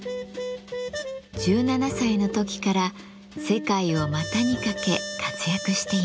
１７歳の時から世界を股にかけ活躍しています。